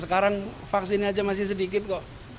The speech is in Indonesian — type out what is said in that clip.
sekarang vaksinnya aja masih sedikit kok